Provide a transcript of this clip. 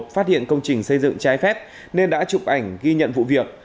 phát hiện công trình xây dựng trái phép nên đã chụp ảnh ghi nhận vụ việc